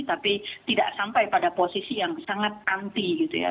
tapi tidak sampai pada posisi yang sangat anti gitu ya